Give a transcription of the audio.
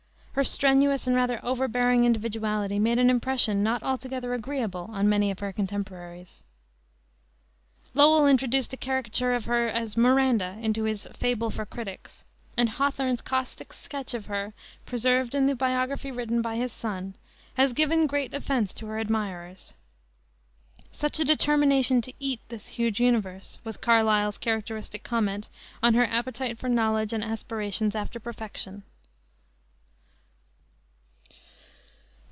Her strenuous and rather overbearing individuality made an impression not altogether agreeable upon many of her contemporaries. Lowell introduced a caricature of her as "Miranda" into his Fable for Critics, and Hawthorne's caustic sketch of her, preserved in the biography written by his son, has given great offense to her admirers. "Such a determination to eat this huge universe!" was Carlyle's characteristic comment on her appetite for knowledge and aspirations after perfection.